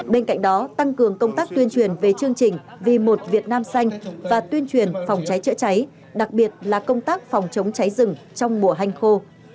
bên cạnh đó tăng cường công tác tuyên truyền về chương trình vì một việt nam xanh và tuyên truyền phòng cháy chữa cháy đặc biệt là công tác phòng chống cháy rừng trong mùa hanh khô